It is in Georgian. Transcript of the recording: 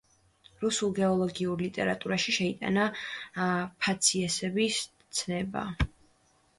რუსულ გეოლოგიურ ლიტერატურაში შეიტანა ფაციესების ცნება.